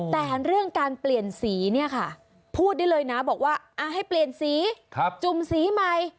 แต่เรื่องการเปลี่ยนสีเนี่ยค่ะพูดได้เลยนะบอกว่าให้เปลี่ยนสีจุ่มสีใหม่